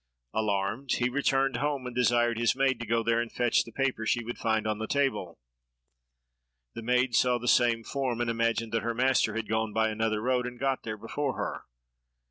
Alarmed, he returned home, and desired his maid to go there and fetch the paper she would find on the table. The maid saw the same form, and imagined that her master had gone by another road, and got there before her.